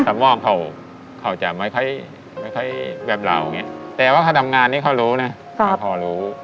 สมองเขาจะไม่ค่อยแบบเหล่าไงแต่ว่าเขาทำงานนี้เขารู้นะเขาพอรู้